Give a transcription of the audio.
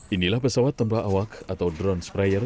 inilah pesawat tembak awak atau drone spryer